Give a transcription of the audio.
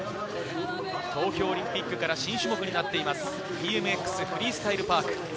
東京オリンピックから新種目になっている、ＢＭＸフリースタイル・パーク。